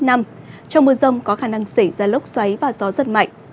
trong mưa rông có khả năng xảy ra lốc xoáy và gió giật mạnh